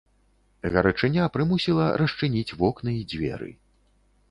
Гарачыня прымусіла расчыніць вокны і дзверы.